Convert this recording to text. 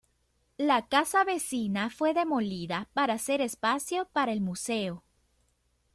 La casa vecina fue demolida para hacer espacio para el museo.